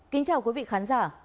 kính chào quý vị khán giả